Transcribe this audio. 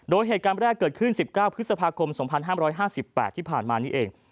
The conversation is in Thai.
โดยเหตุการณ์แรกเกิดขึ้น๑๙พฤษภาคม๒๕๕๘ที่ผ่านมานี้เอง